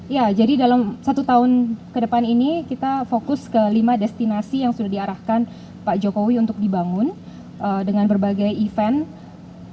ya jadi dalam satu tahun ke depan ini kita fokus ke lima destinasi yang sudah diarahkan pak jokowi untuk dibangun dengan berbagai event